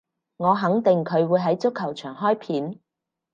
我肯定佢會喺足球場開片